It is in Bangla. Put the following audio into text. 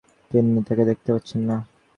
তিন্নি তাকে দেখতে পাচ্ছে না।